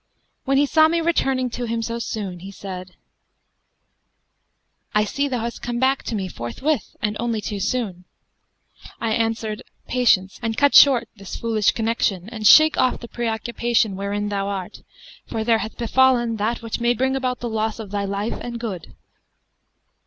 When he saw me returning to him so soon, he said, 'I see thou hast come back to me forthwith and only too soon.' I answered, 'Patience, and cut short this foolish connection and shake off the pre occupation wherein thou art, for there hath befallen that which may bring about the loss of thy life and good.'